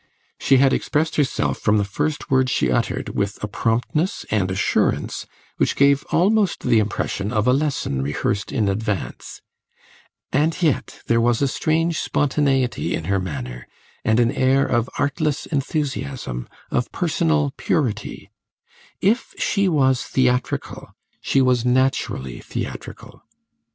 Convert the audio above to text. She had expressed herself, from the first word she uttered, with a promptness and assurance which gave almost the impression of a lesson rehearsed in advance. And yet there was a strange spontaneity in her manner, and an air of artless enthusiasm, of personal purity. If she was theatrical, she was naturally theatrical.